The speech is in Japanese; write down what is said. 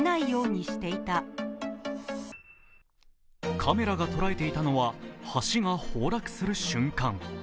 カメラが捉えていたのは、橋が崩落する瞬間。